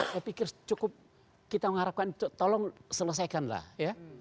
saya pikir cukup kita mengharapkan itu tolong selesaikanlah ya